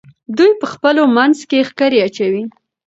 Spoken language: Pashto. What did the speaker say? دوی په خپلو منځو کې ښکرې اچوي.